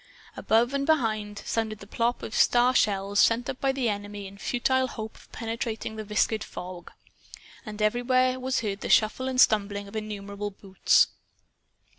Above and behind, sounded the plop of star shells sent up by the enemy in futile hope of penetrating the viscid fog. And everywhere was heard the shuffle and stumbling of innumerable boots.